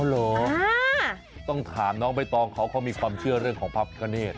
อ๋อเหรอต้องถามน้องไปต่อเขามีความเชื่อเรื่องกับพระพิกาเนธ